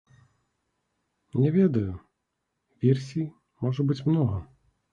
Не ведаю, версій можа быць многа.